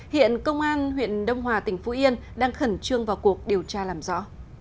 hiện công an huyện đông hòa tỉnh phú yên đang khẩn trương vào cuộc điều tra làm rõ